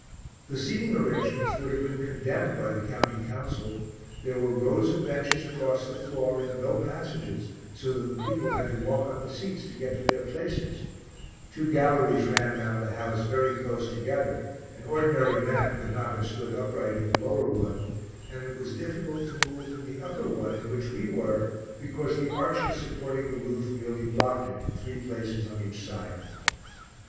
The seating arrangements would have been condemned by the County Council; there were rows of benches across the floor and no passages, so that the people had to walk on the seats to get to their places; two galleries ran round the house very close together, an ordinary man could not have stood upright in the lower one, and it was difficult to move in the upper one in which we were, because the arches supporting the roof nearly blocked it in three places on each side.